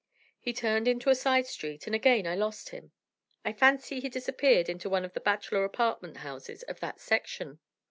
He turned into a side street, and again I lost him. I fancied he disappeared into one of the bachelor apartment houses of that section.